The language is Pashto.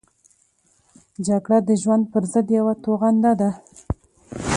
جګړه د ژوند پرضد یوه توغنده ده